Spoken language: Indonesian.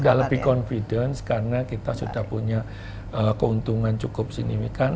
sudah lebih confidence karena kita sudah punya keuntungan cukup signifikan